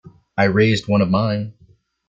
I raised one of mine.